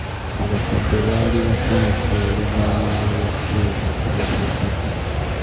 Abakadde baali basanyufu oluvannyuma lwa ssente okubatuukako.